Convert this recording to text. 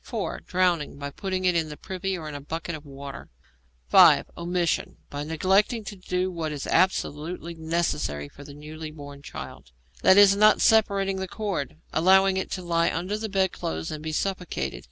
(4) Drowning by putting it in the privy or in a bucket of water. (5) Omission: by neglecting to do what is absolutely necessary for the newly born child e.g., not separating the cord; allowing it to lie under the bed clothes and be suffocated.